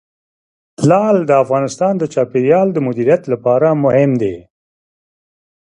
لعل د افغانستان د چاپیریال د مدیریت لپاره مهم دي.